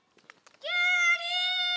きゅうり！